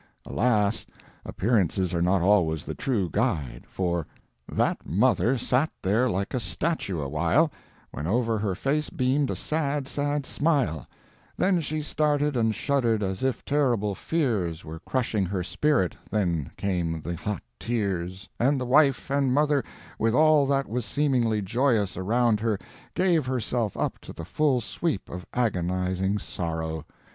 Alas! appearances are not always the true guide, for— That mother sat there like a statue awhile, When over her face beamed a sad, sad smile; Then she started and shudder'd as if terrible fears Were crushing her spirit—then came the hot tears And the wife and mother, with all that was seemingly joyous around her, gave herself up to the full sweep of agonizing sorrow.